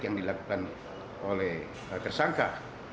yang dilakukan oleh tersangka